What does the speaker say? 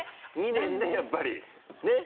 ２年でやっぱりねぇ？